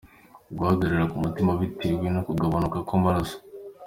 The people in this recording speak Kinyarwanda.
Guhagarara k’umutima bitewe no kugabanuka kw’amaraso .